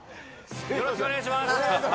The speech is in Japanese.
よろしくお願いします。